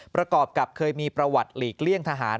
ประกอบกับเคยมีประวัติหลีกเลี่ยงทหาร